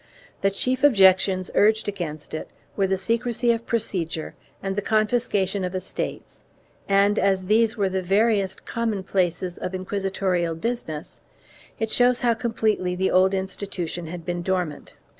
The chief objections urged against it were the secrecy of procedure and the confiscation of estates and, as these were the veriest commonplaces of inquisitorial business, it shows how completely the old institu tion had been dormant.